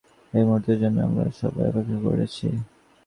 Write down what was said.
এই মূহুর্তের জন্য আমরা সবাই অপেক্ষা করেছি।